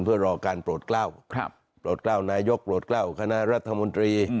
เพื่อรอการโปรดกล้าวโปรดกล้าวนายกโปรดกล้าวคณะรัฐมนตรี